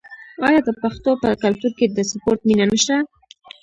آیا د پښتنو په کلتور کې د سپورت مینه نشته؟